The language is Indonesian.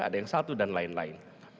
ada yang satu dan lain lain